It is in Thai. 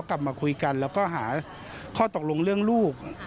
กลับมาคุยกันแล้วก็หาข้อตกลงเรื่องลูก